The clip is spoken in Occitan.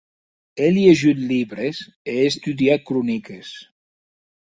È liejut libres e è estudiat croniques.